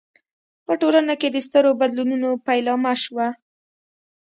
په ټولنه کې د سترو بدلونونو پیلامه شوه.